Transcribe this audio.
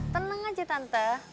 tenang aja tante